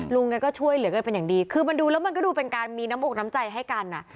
ลุงแกก็ช่วยเหลือกันเป็นอย่างดีคือมันดูแล้วมันก็ดูเป็นการมีน้ำอกน้ำใจให้กันอ่ะ